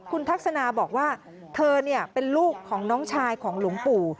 คุณทักษณาบอกว่าเธอเป็นลูกของน้องชายของหลวงปู่